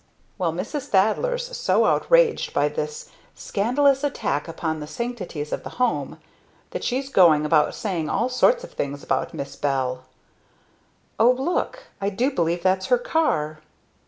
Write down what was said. "Well, Mrs. Thaddler's so outraged by 'this scandalous attack upon the sanctities of the home' that she's going about saying all sorts of things about Miss Bell. O look I do believe that's her car!"